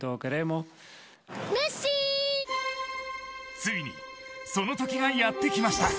ついにその時がやって来ました。